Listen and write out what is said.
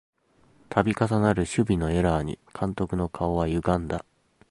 たび重なる守備のエラーに監督の顔はゆがんだ